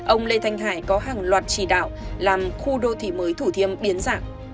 ông lê thanh hải có hàng loạt chỉ đạo làm khu đô thị mới thủ thiêm biến dạng